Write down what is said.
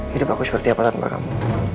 hidup aku seperti apa tanpa kamu